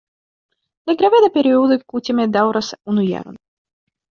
La graveda periodo kutime daŭras unu jaron.